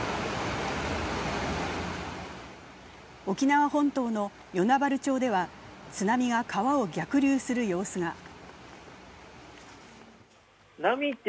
沖縄本島の与那原町では津波が川を逆流する様子が。